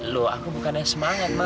loh aku bukan yang semangat mah